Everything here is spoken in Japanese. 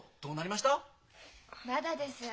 まだです。